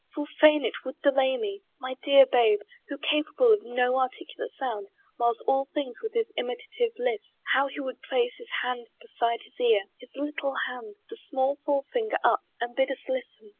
Full fain it would delay me! My dear Babe, Who, capable of no articulate sound, Mars all things with his imitative lisp, How he would place his hand beside his ear, His little hand, the small forefinger up, And bid us listen!